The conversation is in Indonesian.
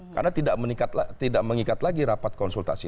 karena tidak mengikat lagi rapat konsultasi